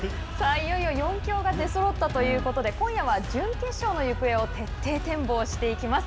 いよいよ４強が出そろったということで、今夜は準決勝の行方を徹底展望していきます。